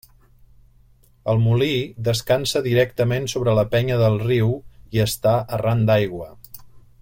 El molí descansa directament sobre la penya del riu i està arran d'aigua.